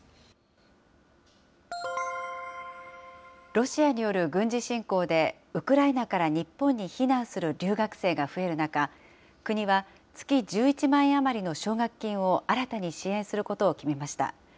ロシアによる軍事侵攻で、ウクライナから日本に避難する留学生が増える中、国は月１１万円余りの奨学金を新たに支援することを決めました。